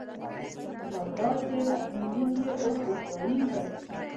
حال دا چې رسمي نوم یې اوس اسرائیل دی.